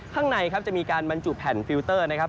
ข้างในครับจะมีการบรรจุแผ่นฟิลเตอร์นะครับ